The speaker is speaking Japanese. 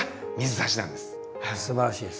すばらしいです。